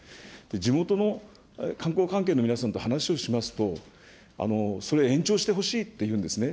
地元の観光関係の皆さんと話をしますと、それ延長してほしいって言うんですね。